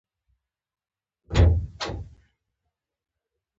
ګل د امید سمبول دی.